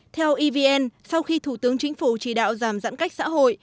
theo evn sau khi thủ tướng chính phủ chỉ đạo giảm giãn cách xã hội